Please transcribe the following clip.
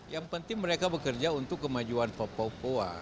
yang penting mereka bekerja untuk kemajuan papua